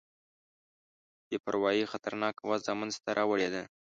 بې پروايي خطرناکه وضع منځته راوړې ده.